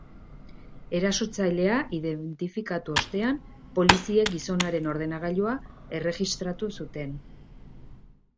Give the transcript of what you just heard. Erasotzailea identifikatu ostean, poliziek gizonaren ordenagailua erregistratu zuten.